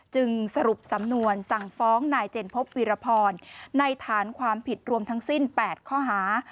จึงสรุปสำนวนสั่งฟ้องนายเจนพบวีรพรในฐานความผิดรวมทั้งสิ้น๘ข้อหา